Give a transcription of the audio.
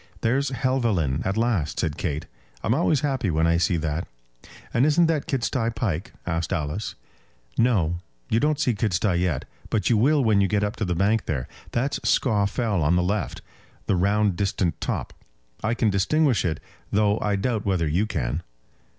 "There's Helvellyn at last," said Kate. "I'm always happy when I see that." "And isn't that Kidsty Pike?" asked Alice. "No; you don't see Kidsty yet. But you will when you get up to the bank there. That's Scaw Fell on the left; the round distant top. I can distinguish it, though I doubt whether you can."